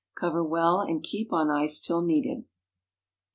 Cover well, and keep on ice till needed.